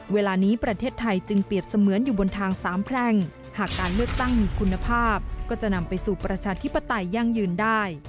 เวลานี้ประเทศไทยจึงเปรียบเสมือนอยู่บนทางสามแพร่งหากการเลือกตั้งมีคุณภาพก็จะนำไปสู่ประชาธิปไตยั่งยืนได้